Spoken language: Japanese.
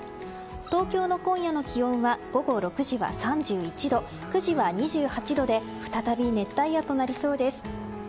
東京の今夜の気温は午後６時は３１度９時は２８度で再び熱帯夜となりそうです。